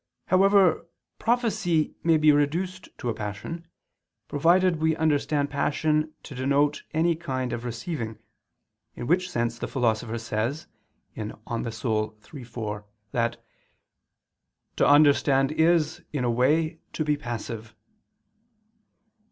However, prophecy may be reduced to a passion, provided we understand passion to denote any kind of receiving, in which sense the Philosopher says (De Anima iii, 4) that "to understand is, in a way, to be passive."